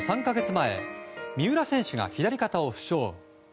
前三浦選手が左肩を負傷。